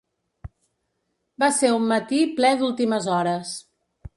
Va ser un matí ple d’últimes hores.